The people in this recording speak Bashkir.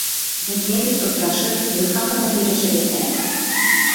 Беҙгә бит осрашып, туй хаҡында һөйләшергә кәрәк.